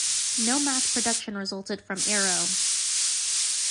No mass production resulted from Aero.